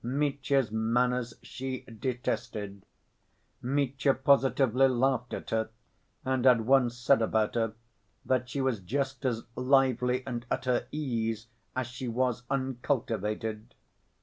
Mitya's manners she detested. Mitya positively laughed at her, and had once said about her that she was just as lively and at her ease as she was uncultivated.